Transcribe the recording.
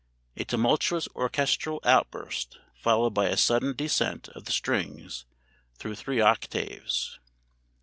[A tumultuous orchestral outburst, followed by a sudden descent of the strings through three octaves.